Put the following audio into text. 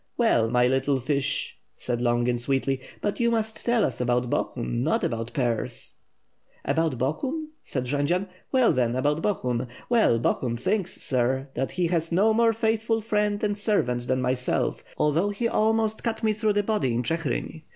*^ell, my little fish," said Longin sweetly, "but you must tell us about Bohun, not about pears." "About Bohun?" said Jendzian. "Well, then, about Bo hun. Well — Bohun thinks, sir, that he has no more faithful friend and servant than myself, although he almost cut me through the body in Chigrin.